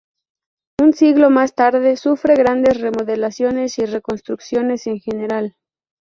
Un siglo más tarde sufre grandes remodelaciones y reconstrucciones en general.